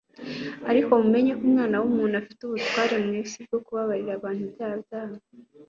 Ariko mumenye ko Umwana w'umuntu afite ubutware mu isi bwo kubabarira abantu ibyaha byabo.